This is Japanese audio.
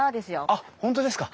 あっ本当ですか！